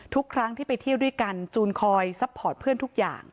ทุกครั้งที่ไปเที่ยวด้วยกันจูนคอยซัพพอร์ตเพื่อนทุกอย่าง